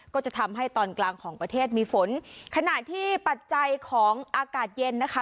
ก็จะทำให้ตอนกลางของประเทศมีฝนขณะที่ปัจจัยของอากาศเย็นนะคะ